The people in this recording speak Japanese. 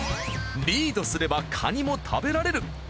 リードすればカニも食べられる！